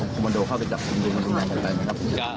นะครับตรงตรงนี้